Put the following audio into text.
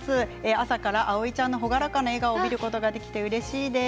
朝から葵ちゃんの朗らかな笑顔を見られてうれしいです。